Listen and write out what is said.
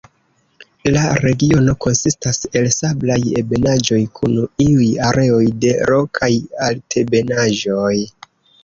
La regiono konsistas el sablaj ebenaĵoj kun iuj areoj de rokaj altebenaĵoj.